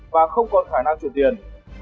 và không còn khả năng chuyển tiền